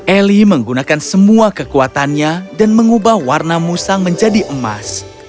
eli menggunakan semua kekuatannya dan mengubah warna musang menjadi emas